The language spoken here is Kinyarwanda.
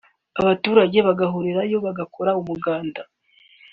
abaturage bagahurirayo bagakora umuganda